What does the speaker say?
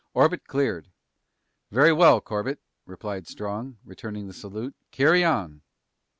"Orbit cleared." "Very well, Corbett," replied Strong, returning the salute. "Carry on!"